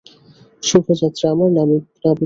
শুভ যাত্রা, আমার নাবিকগণ।